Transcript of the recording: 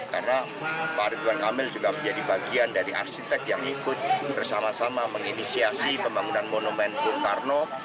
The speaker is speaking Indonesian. karena pak ridwan kamil juga menjadi bagian dari arsitek yang ikut bersama sama menginisiasi pembangunan monumen bung karno